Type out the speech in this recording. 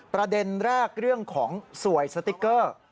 ประเด็นแรกเรื่องของสวยสติ๊กเกอร์